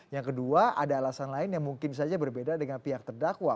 yang kedua ada alasan lain yang mungkin saja berbeda dengan pihak terdakwa